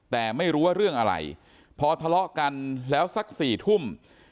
แต่ไม่รู้ว่าเรื่องอะไรพอทะเลาะกันแล้วสัก๔ทุ่ม